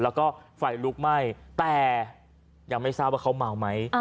แล้วก็ไฟลุกไหม้แต่ยังไม่ทราบว่าเขาเมาไหม